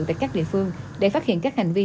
tại các địa phương để phát hiện các hành vi